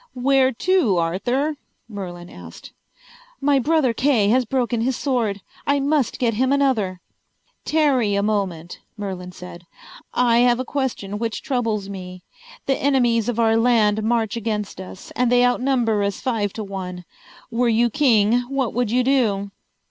"Where to, Arthur?" Merlin asked. "My brother Kay has broken his sword. I must get him another." "Tarry a moment," Merlin said. "I have a question which troubles me. The enemies of our land march against us, and they outnumber us five to one. Were you king, what would you do?"